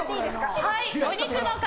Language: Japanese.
お肉の塊